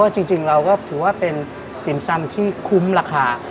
จริงแล้วนะคะก็ถือว่าเป็นรี่ถีมซ่ำที่คุ้มราคา